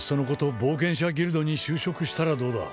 冒険者ギルドに就職したらどうだ？